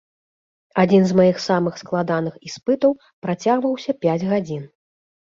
Адзін з маіх самых складаных іспытаў працягваўся пяць гадзін.